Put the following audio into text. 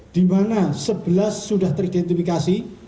di mana sebelas sudah teridentifikasi